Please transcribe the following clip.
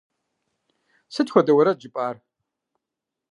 Сыт хуэдэ уэрэд жыпӀар?